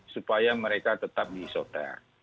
supaya mereka tetap diisoter